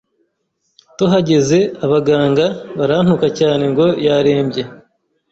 tuhageze abaganga barantuka cyane ngo yarembye,